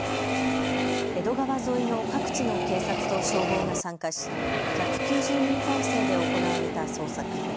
江戸川沿いの各地の警察と消防が参加し１９０人態勢で行われた捜索。